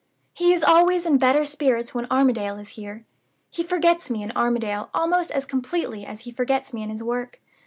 He is always in better spirits when Armadale is here. He forgets me in Armadale almost as completely as he forgets me in his work.